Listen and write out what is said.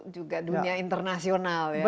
juga dunia internasional ya